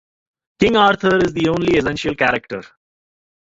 King Arthur is the only essential character.